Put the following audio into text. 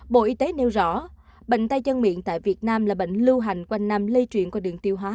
bộ y tế nêu rõ bệnh tay chân miệng tại việt nam là bệnh lưu hành quanh năm lây chuyển qua đường tiêu hóa